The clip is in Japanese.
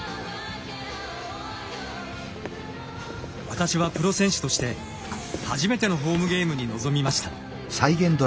私はプロ選手として初めてのホームゲームに臨みました。